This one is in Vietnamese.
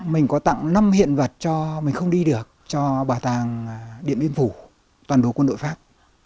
mình có tặng năm hiện vật cho mình không đi được cho bảo tàng điện biên phủ toàn bộ quân đội pháp